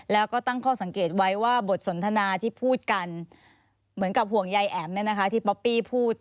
แล้วก็ตั้งข้อสังเกตไว้ว่าบทสนทนาที่พูดกันเหมือนกับห่วงยายแอ๋มที่ป๊อปปี้พูด